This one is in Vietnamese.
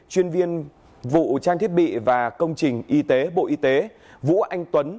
chuyên viên vụ trang thiết bị và công trình y tế bộ y tế vũ anh tuấn